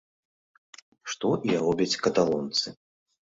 Што і робяць каталонцы.